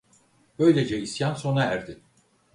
Böylece isyan sona erdi.